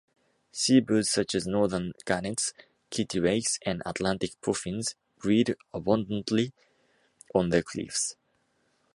Seabirds such as northern gannets, kittiwakes and Atlantic puffins breed abundantly on the cliffs.